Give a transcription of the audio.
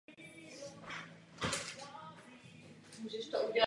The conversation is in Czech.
Tak praví Friedrich Bach ve svých sice prý vylhaných, proto ale předce pěkných sensitivách.